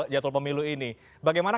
jadwal pemilu ini bagaimana